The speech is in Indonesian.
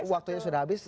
waktunya sudah habis